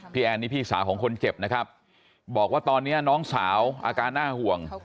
แอนนี่พี่สาวของคนเจ็บนะครับบอกว่าตอนนี้น้องสาวอาการน่าห่วง